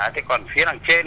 thế còn phía đằng trên